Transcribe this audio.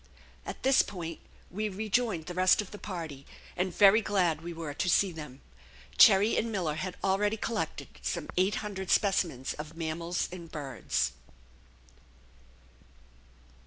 At this point we rejoined the rest of the party, and very glad we were to see them. Cherrie and Miller had already collected some eight hundred specimens of mammals and birds.